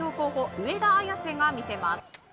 上田綺世が見せます。